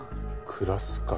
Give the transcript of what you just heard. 「クラス会」